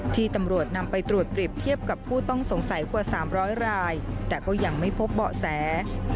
ที่ตำรวจนำไปตรวจเปรียบเทียบกับผู้ต้องสงสัยกว่า๓๐๐รายแต่ก็ยังไม่พบเบาะแส